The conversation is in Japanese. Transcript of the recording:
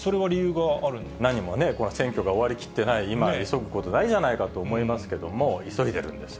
何もね、選挙が終わりきってない今、急ぐことないじゃないかと思いますけれども、急いでるんです。